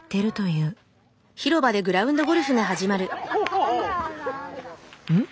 うん？